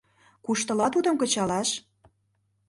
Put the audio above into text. Куштыла тудым кычалаш?»